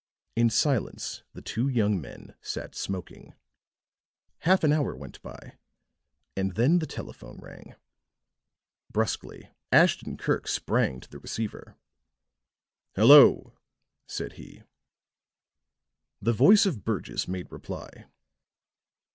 In silence the two young men sat smoking; half an hour went by and then the telephone rang, brusquely. Ashton Kirk sprang to the receiver. "Hello," said he. The voice of Burgess made reply.